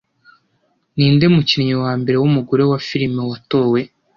Ninde mukinnyi wa mbere wumugore wa film watowe